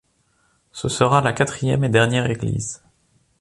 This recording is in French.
Ce sera la quatrième et dernière église.